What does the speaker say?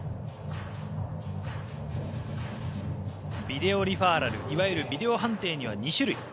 ビデオリファーラルいわゆるビデオ判定には２種類。